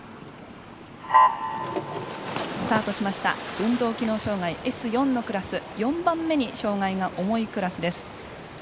運動機能障がいＳ４のクラス４番目に障がいが重いクラスです。